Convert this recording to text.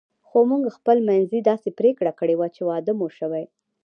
خو موږ خپل منځي داسې پرېکړه کړې وه چې واده مو شوی.